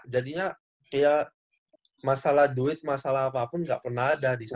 jadinya kayak masalah duit masalah apapun nggak pernah ada di sana